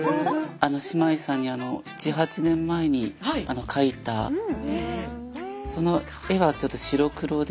姉妹さんに７８年前に描いたその絵はちょっと白黒で。